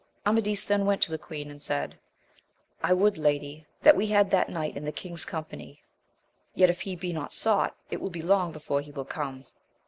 Amadis then went to the queen, and said, I would, lady, that we had that knight in the king's company ; yet, if he be not sought, it will be long before he will come.